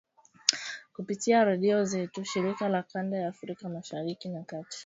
kupitia redio zetu shirika za kanda ya Afrika Mashariki na Kati